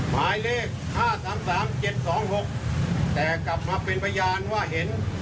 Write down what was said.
หมายเลข๕๓๓๗๒๖แต่กลับมาเป็นพยานว่าเห็น